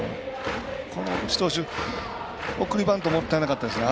内投手、送りバントもったいなかったですね。